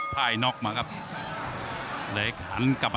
่ายน็อกมาครับ